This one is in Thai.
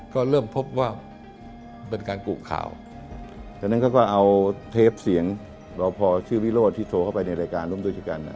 ก็เริ่มพบว่าเป็นการกลุ่มข่าว